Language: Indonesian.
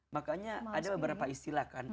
makanya ada beberapa istilah kan